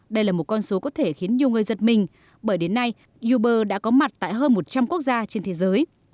đây là một con số có thể khiến nhiều người giật mình bởi đến nay uber đã có mặt tại hơn một trăm linh quốc gia trên thế giới